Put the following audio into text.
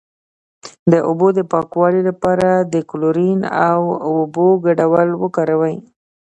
د اوبو د پاکوالي لپاره د کلورین او اوبو ګډول وکاروئ